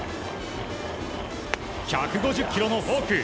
１５０キロのフォーク。